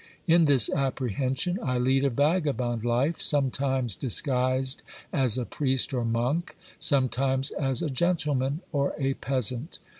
In this apprehension, I lead a vagabond life, sometimes disguised as a priest or monk, sometimes as a gentle man or a peasant.